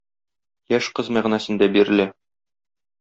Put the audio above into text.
яшь кыз мәгънәсендә бирелә